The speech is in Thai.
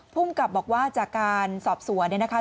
ภูมิกับบอกว่าจากการสอบสวนเนี่ยนะคะ